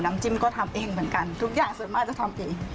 จิ้มก็ทำเองเหมือนกันทุกอย่างส่วนมากจะทำเอง